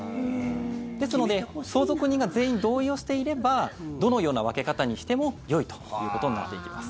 ですので相続人が全員同意していればどのような分け方にしてもよいということになっていきます。